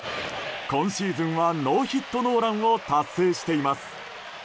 今シーズンはノーヒットノーランを達成しています。